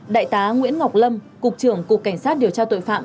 đại tá nguyễn ngọc lâm cục trưởng cục cảnh sát điều tra tội phạm